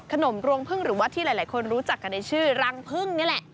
รวมรวงพึ่งหรือว่าที่หลายคนรู้จักกันในชื่อรังพึ่งนี่แหละ